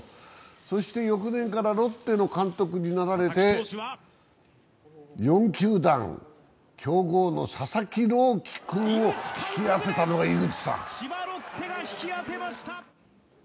そして翌年からロッテの監督になられて４球団、強豪の佐々木朗希君を引き当てたのが井口さん。